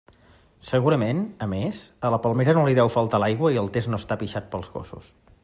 Segurament, a més, a la palmera no li deu faltar l'aigua i el test no està pixat pels gossos.